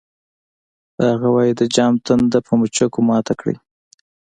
هغه وایی د جام تنده په مچکو ماته کړئ